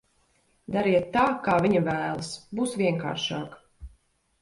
Dariet tā, kā viņa vēlas, būs vienkāršāk.